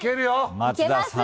松田さん